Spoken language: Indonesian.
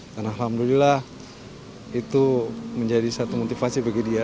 dan alhamdulillah itu menjadi satu motivasi bagi dia